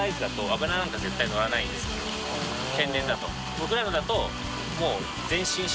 僕らのだともう弔砲